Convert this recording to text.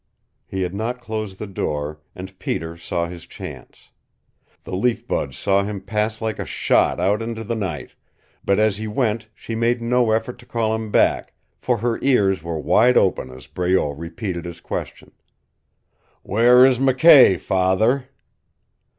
He had not closed the door, and Peter saw his chance. The Leaf Bud saw him pass like a shot out into the night, but as he went she made no effort to call him back, for her ears were wide open as Breault repeated his question, "Where is McKay, Father?"